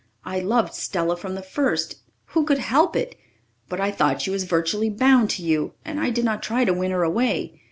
I loved Stella from the first who could help it? But I thought she was virtually bound to you, and I did not try to win her away.